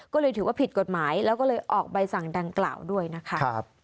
ก็เลยถือว่าผิดกฎหมายแล้วก็เลยออกใบสั่งดังกล่าวด้วยนะคะ